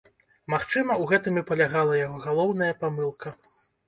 Магчыма, у гэтым і палягала яго галоўная памылка.